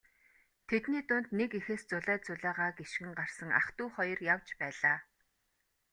Тэдний дунд нэг эхээс зулай зулайгаа гишгэн гарсан ах дүү хоёр явж байлаа.